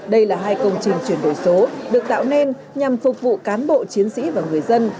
đây là hai công trình chuyển đổi số được tạo nên nhằm phục vụ cán bộ chiến sĩ và người dân